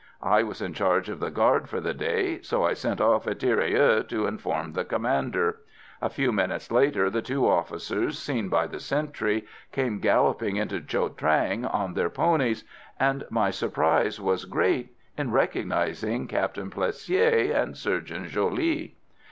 I was in charge of the guard for the day, so I sent off a tirailleur to inform the commander. A few minutes later the two officers seen by the sentry came galloping into Cho Trang on their ponies, and my surprise was great on recognising Captain Plessier and Surgeon Joly.